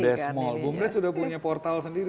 boomdesk mall boomdesk sudah punya portal sendiri